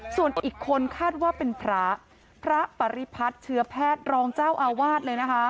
ส่วนอีกคนคาดว่าเป็นพระพระปริพัฒน์เชื้อแพทย์รองเจ้าอาวาสเลยนะคะ